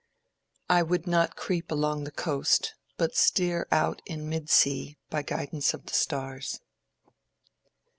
I would not creep along the coast but steer Out in mid sea, by guidance of the stars.